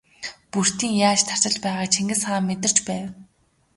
Бөртийн яаж тарчилж байгааг Чингис хаан мэдэрч байв.